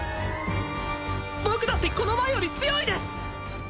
僕だってこの前より強いです！